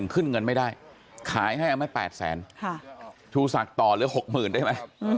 ขึ้นเงินไม่ได้ขายให้เอาไว้๘แสนชูศักดิ์ต่อเหลือ๖๐๐๐ได้ไหม